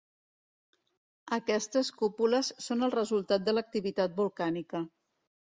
Aquestes cúpules són el resultat de l'activitat volcànica.